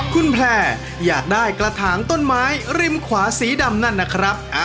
คุณแพร่อยากได้กระถางต้นไม้ริมขวาสีดำนั่นนะครับ